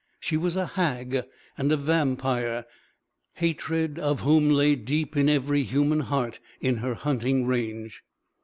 She was a hag and a vampire, hatred of whom lay deep in every human heart in her hunting range.